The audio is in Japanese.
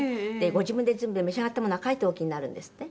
ご自分で全部召し上がったものは書いておきになるんですって？